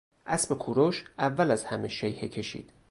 اسب کورش اول از همه شیهه کشید.